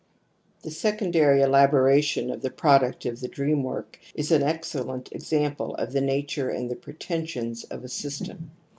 The secondary elaboration of the product of ."" Vu .^ the dream work is an excellent example of the nature and the pretensipns of a system.